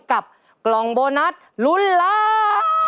กับกล่องโบนัสลุ้นล้าน